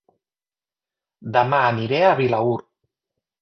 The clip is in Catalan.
Dema aniré a Vilaür